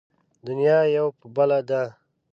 دنيا يو په بله ده.